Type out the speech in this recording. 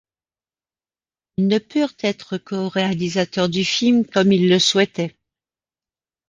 Ils ne purent être co-réalisateurs du film comme ils le souhaitaient.